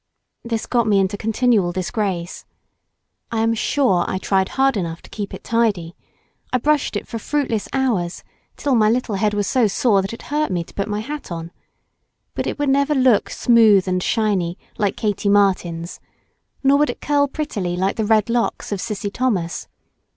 This got me into continual disgrace. I am sure I tried hard enough to keep it tidy—I brushed it for fruitless hours till my little head was so sore that it hurt me to put my hat on. But it never would look smooth and shiny, like Katie Martin's, nor would it curl prettily like the red locks of Cissy Thomas.